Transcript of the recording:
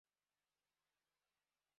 ovozini ko‘tardi komandir. — Buyruq!